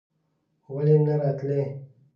ولې نه راتلې?